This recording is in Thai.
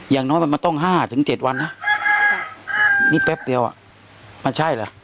อย่างน้อยมันต้อง๕๗วันนะนี่แป๊บเดียวอ่ะมันใช่เหรอ